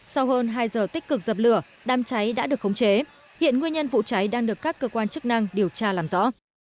sau hơn hai giờ tích cực dập lửa đám cháy đã được khống chế hiện nguyên nhân vụ cháy đang được các cơ quan chức năng điều tra làm rõ